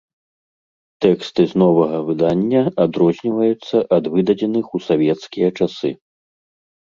Тэксты з новага выдання адрозніваюцца ад выдадзеных у савецкія часы.